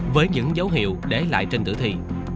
với những dấu hiệu để lại trên tử thi